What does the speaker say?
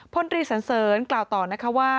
พลตรีสันเสริญกล่าวต่อนะคะว่า